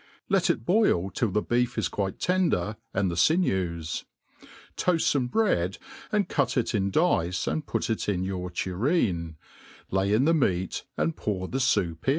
Let it boil till the beef js Quite tender, and the fine'ws. Toaft fome bread and cut it ill dice, and put it, in your tureen j lay in the meat, and pour the foup m.